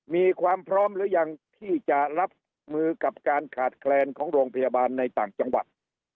มีความพร้อมหรือยังที่จะรับมือกับการขาดแคลนของโรงพยาบาลในต่างจังหวัด